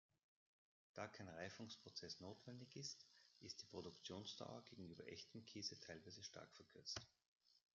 Da kein Reifungsprozess notwendig ist, ist die Produktionsdauer gegenüber echtem Käse teilweise stark verkürzt.